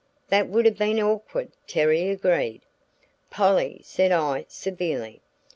"That would have been awkward," Terry agreed. "Polly," said I, severely.